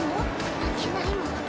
負けないもん。